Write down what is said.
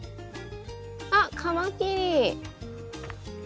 あっカマキリ。